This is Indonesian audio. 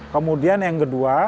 kemudian yang kedua